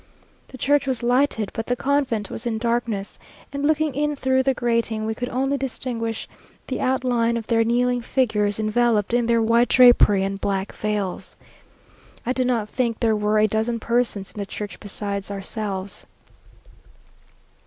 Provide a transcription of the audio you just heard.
The church was lighted, but the convent was in darkness; and looking in through the grating, we could only distinguish the outline of their kneeling figures, enveloped in their white drapery and black veils. I do not think there were a dozen persons in the church besides ourselves.